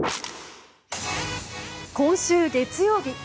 今週月曜日